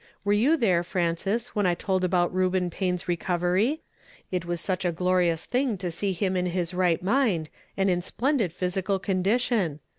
Were you there, Frances, when I told about Ueuben Payne's recovery? It was such a glorious thing to see him in his right mind, and in splendid jthysical condition